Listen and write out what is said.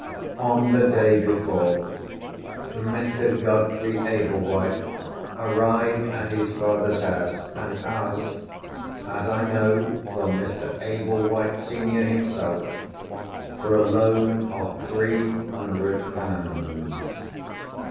On the day before, Mr. Godfrey Ablewhite arrived at his father's house, and asked (as I know from Mr. Ablewhite, senior, himself) for a loan of three hundred pounds.